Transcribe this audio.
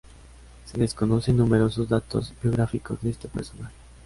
Se desconocen numerosos datos biográficos de este personaje.